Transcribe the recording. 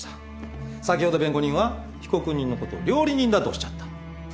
先ほど弁護人は被告人のことを料理人だとおっしゃった。